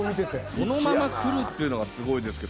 そのまま来るっていうのがすごいですけど。